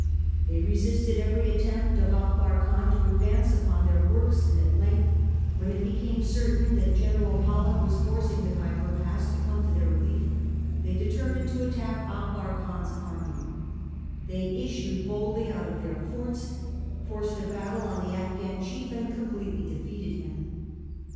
They resisted every attempt of Akbar Khan to advance upon their works, and at length, when it became certain that General Pollock was forcing the Khyber Pass to come to their relief, they determined to attack Akbar Khan's army; they issued boldly out of their forts, forced a battle on the Afghan chief, and completely defeated him.